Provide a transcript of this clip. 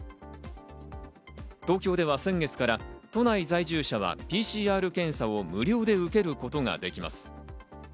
東京では先月から都内在住者はＰＣＲ検査を無料で受けることができます。